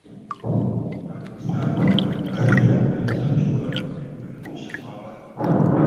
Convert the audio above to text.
na namna mbalimbali ya kuyatatua ili kuhakikisha kwamba